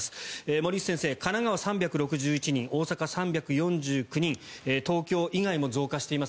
森内先生、神奈川は３６１人大阪、３４９人東京以外も増加しています。